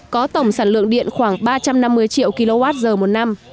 có tổng sản lượng điện khoảng ba trăm năm mươi triệu kwh một năm